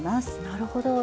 なるほど。